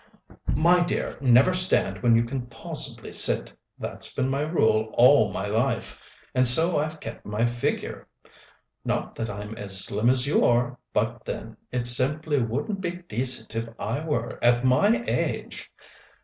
My dear, never stand when you can possibly sit. That's been my rule all my life, and so I've kept my figure. Not that I'm as slim as you are; but, then, it simply wouldn't be decent if I were, at my age.